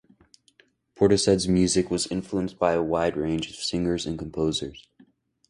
Portishead's music was influenced by a wide range of singers and composers.